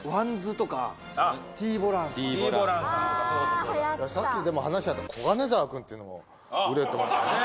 さっきでも話した小金沢君っていうのも売れてましたね。